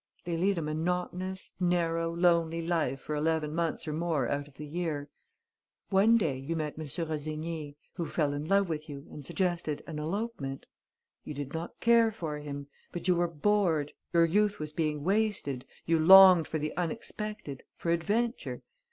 They lead a monotonous, narrow, lonely life for eleven months or more out of the year. One day, you met M. Rossigny, who fell in love with you and suggested an elopement. You did not care for him. But you were bored, your youth was being wasted, you longed for the unexpected, for adventure